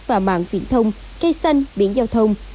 và mạng viện thông cây xanh biển giao thông